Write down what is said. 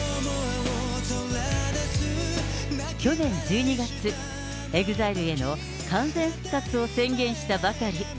去年１２月、ＥＸＩＬＥへの完全復活を宣言したばかり。